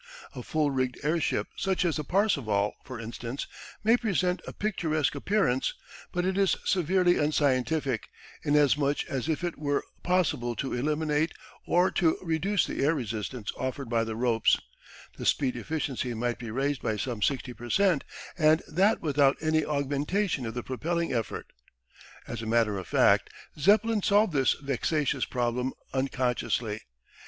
A full rigged airship such as the Parseval, for instance, may present a picturesque appearance, but it is severely unscientific, inasmuch as if it were possible to eliminateor to reduce the air resistance offered by the ropes, the speed efficiency might be raised by some sixty per cent and that without any augmentation of the propelling effort. As a matter of fact Zeppelin solved this vexatious problem unconsciously.